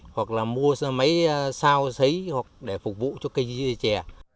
hoặc là mua máy sao xấy hoặc để phục vụ cho cây chè